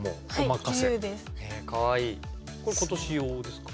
これ今年用ですか？